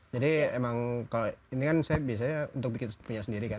jadi emang kalau ini kan saya biasanya untuk bikin punya sendiri kan